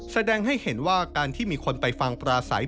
แสดงให้เห็นว่าการที่มีคนไปฟังปราศัย